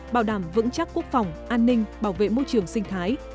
bảo đảm vững chắc quốc phòng an ninh bảo vệ môi trường sinh thái